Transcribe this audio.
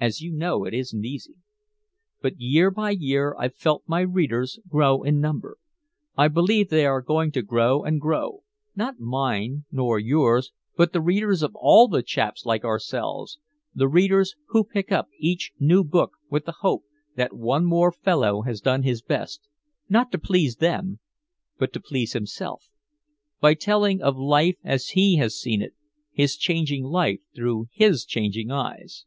As you know, it isn't easy. But year by year I've felt my readers grow in number. I believe they are going to grow and grow, not mine nor yours but the readers of all the chaps like ourselves, the readers who pick up each new book with the hope that one more fellow has done his best not to please them but to please himself by telling of life as he has seen it his changing life through his changing eyes."